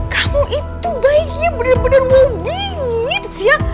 kamu itu baiknya bener bener mau bingits ya